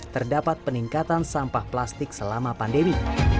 terdapat peningkatan sampah plastik selama pandemi